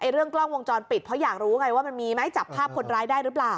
เรื่องกล้องวงจรปิดเพราะอยากรู้ไงว่ามันมีไหมจับภาพคนร้ายได้หรือเปล่า